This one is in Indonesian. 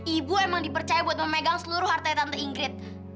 ibu emang dipercaya buat memegang seluruh hartanya tante ingrid